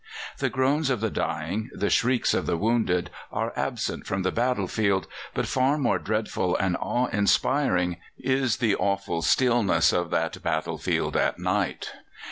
The groans of the dying, the shrieks of the wounded, are absent from the battle field, but far more dreadful and awe inspiring is the awful stillness of that battle field at night.